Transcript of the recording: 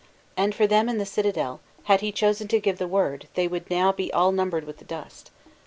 And for them in the citadel, had he chosen to give the word, they would now be all numbered with the dust!